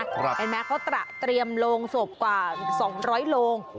เห็นมั้ยเขาตระเตรียมโลงสวบกว่า๒๐๐โลง